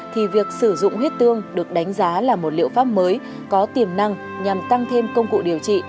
thì việc sử dụng huyết tương được đánh giá là một liệu pháp mới có tiềm năng nhằm tăng thêm công cụ điều trị